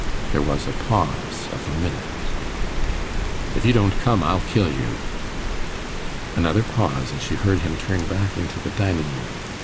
There was a pause of a minute. 'If you don't come, I'll kill you.' Another pause, and she heard him turn back into the dining room.